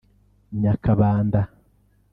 Nyakabanda